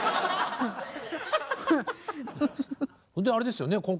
であれですよね